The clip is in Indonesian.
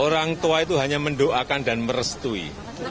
orang tua itu hanya mendoakan dan merestui